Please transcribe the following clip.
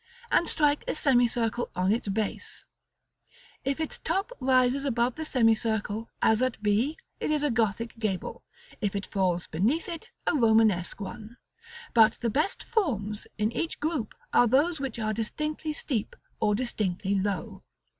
and strike a semicircle on its base; if its top rises above the semicircle, as at b, it is a Gothic gable; if it falls beneath it, a Romanesque one; but the best forms in each group are those which are distinctly steep, or distinctly low.